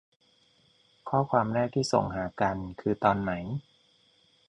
ข้อความแรกที่ส่งหากันคือตอนไหน